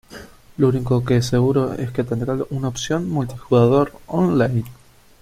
Lo único que es seguro, es que tendrá una opción multijugador online.